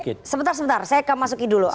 oke sebentar sebentar saya ke mas uki dulu